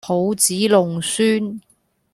抱子弄孫